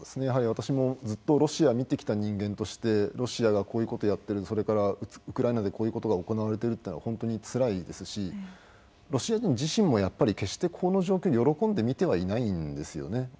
私もずっとロシアを見てきた人間としてロシアがこういうことをやっているそれからウクライナでこういうことが行われているというのは本当につらいですしロシア人自身もやっぱり決してこの状況を喜んで見てはいないんですよね。